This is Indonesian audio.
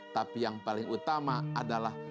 tapi yang paling utama adalah